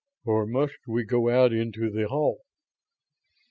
"Or must we go out into the hall?"